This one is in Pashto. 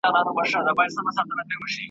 هیري کړي مو نغمې وزرونه وچ دي ,